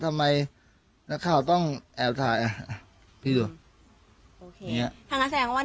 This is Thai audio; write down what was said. ทำไมนักข่าวต้องแอบถ่ายอ่ะพี่ดูโอเคทางนักแสดงว่า